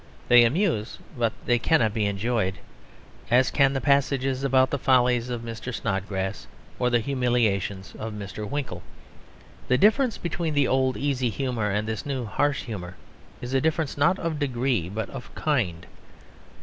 They amuse, but they cannot be enjoyed, as can the passages about the follies of Mr. Snodgrass or the humiliations of Mr. Winkle. The difference between the old easy humour and this new harsh humour is a difference not of degree but of kind.